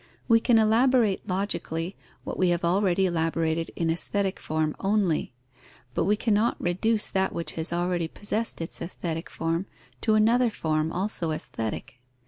We can elaborate logically what we have already elaborated in aesthetic form only; but we cannot reduce that which has already possessed its aesthetic form to another form also aesthetic.